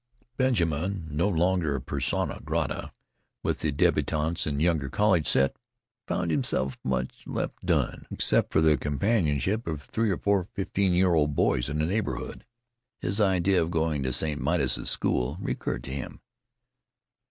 Benjamin, no longer persona grata with the débutantes and younger college set, found himself left much alone, except for the companionship of three or four fifteen year old boys in the neighbourhood. His idea of going to St. Midas's school recurred to him.